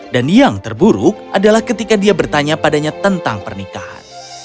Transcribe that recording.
yang terburuk adalah ketika dia bertanya padanya tentang pernikahan